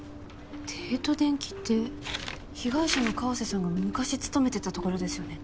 帝都電機って被害者の川瀬さんが昔務めてたところですよね？